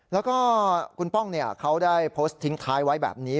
แล้วก็คุณป้องเขาได้โพสต์ทิ้งท้ายไว้แบบนี้